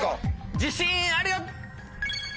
自信あるよ。